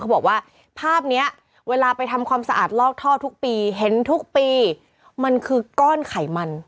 บอกว่าภาพนี้เวลาไปทำความสะอาดลอกท่อทุกปีเห็นทุกปีมันคือก้อนไขมัน